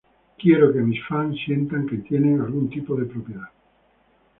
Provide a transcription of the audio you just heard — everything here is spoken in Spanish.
Quiero que mis fans sientan que tienen algún tipo de propiedad.